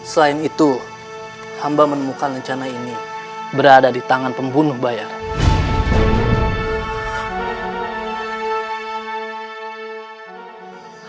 selain itu hamba menemukan rencana ini berada di tangan pembunuh bayaran